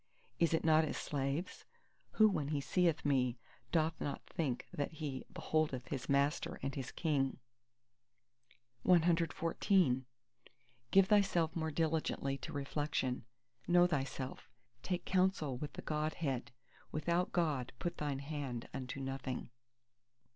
Is it not as slaves? Who when he seeth me doth not think that he beholdeth his Master and his King? CXV Give thyself more diligently to reflection: know thyself: take counsel with the Godhead: without God put thine hand unto nothing!